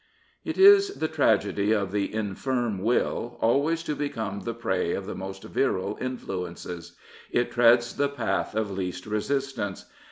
It is the tragedy of the infirm will, always to become the prey of the most virile influences. It treads the path of least resistance.